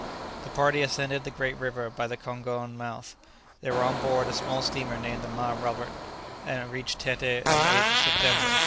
The party ascended the great river by the Kongone mouth; they were on board a small steamer named the "Ma Robert," and reached Teté on the 8th of September.